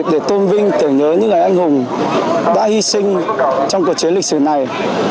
để tôn vinh tưởng nhớ những người anh hùng đã hy sinh trong cuộc chiến lịch sử này